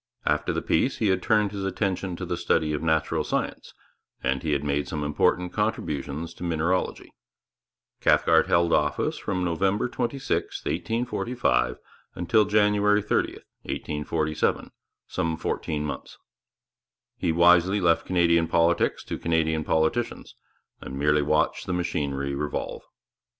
After the peace he had turned his attention to the study of natural science, and he had made some important contributions to mineralogy. Cathcart held office from November 26, 1845, until January 30, 1847, some fourteen months. He wisely left Canadian politics to Canadian politicians, and merely watched the machinery revolve.